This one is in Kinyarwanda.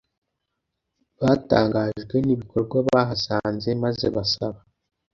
Batangajwe n’ibikorwa bahasanze maze basaba